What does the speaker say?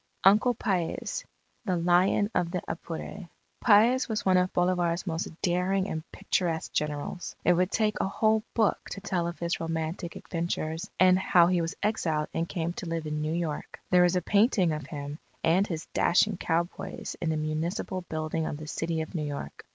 _ UNCLE PAEZ THE LION OF THE APURE Paez was one of Bolivar's most daring and picturesque generals. It would take a whole book to tell of his romantic adventures and how he was exiled and came to live in New York. There is a painting of him and his dashing cowboys in the Municipal Building of the City of New York.